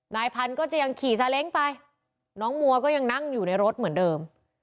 นายพันธุ์ก็จะยังขี่ซาเล้งไปน้องมัวก็ยังนั่งอยู่ในรถเหมือนเดิม